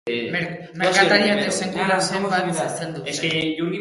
Merkatariak desenkusaren bat zezeldu zuen.